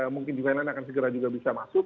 mungkin juga nanti akan segera juga bisa masuk